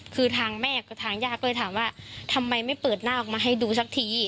คือทางแม่กับทางญาติก็เลยถามว่าทำไมไม่เปิดหน้าออกมาให้ดูสักที